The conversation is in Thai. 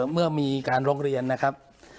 เมื่อมีการร้องเรียนนะครับ